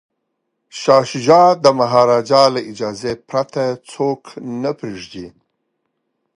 شاه شجاع د مهاراجا له اجازې پرته څوک نه پریږدي.